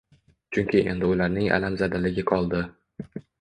Chunki endi ularning alamzadaligi qoldi.